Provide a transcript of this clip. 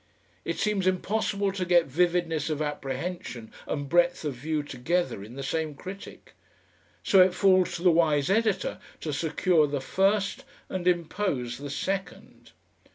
It seems impossible to get vividness of apprehension and breadth of view together in the same critic. So it falls to the wise editor to secure the first and impose the second.